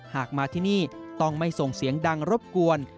หากมาที่นี่ต้องไม่ส่งเสียงดังรบกวน